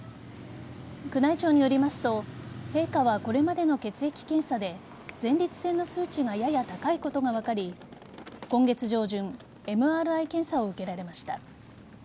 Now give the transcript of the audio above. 宮内庁によりますと陛下はこれまでの血液検査で前立腺の数値がやや高いことが分かり今月上旬ＭＲＩ検査を受けられました。